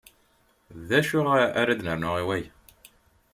D acu ara ad nernu i waya?